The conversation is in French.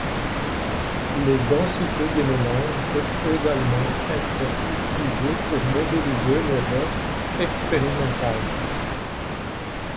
Les densités de mélange peut également être utilisé pour modéliser l'erreur expérimentale.